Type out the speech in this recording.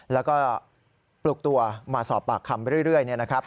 แล้วก็ปลุกตัวมาสอบปากคำเรื่อยนะครับ